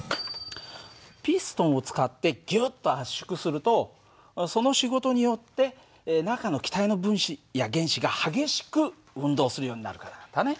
ピストンを使ってギュッと圧縮するとその仕事によって中の気体の分子や原子が激しく運動するようになるからなんだね。